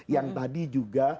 yang tadi juga